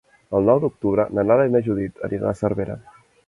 El nou d'octubre na Nara i na Judit aniran a Cervera.